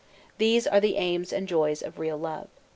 These are the aims and joys of real love.